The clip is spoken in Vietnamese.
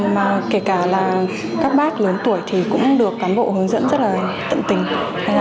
mà kể cả là các bác lớn tuổi thì cũng được cán bộ hướng dẫn rất là tận tình